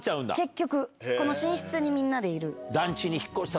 結局この寝室にみんなでいる。